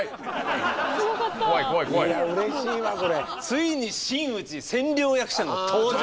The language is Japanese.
ついに真打ち千両役者の登場。